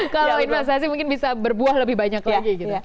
kalau investasi mungkin bisa berbuah lebih banyak lagi gitu